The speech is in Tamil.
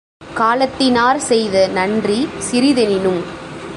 காலத்தி னாற்செய்த நன்றி சிறிதெனினும்